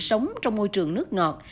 sống trong môi trường nước ngọt